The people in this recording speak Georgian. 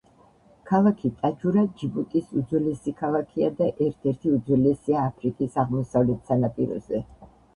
ქალაქი ტაჯურა ჯიბუტის უძველესი ქალაქია და ერთ-ერთი უძველესია აფრიკის აღმოსავლეთ სანაპიროზე.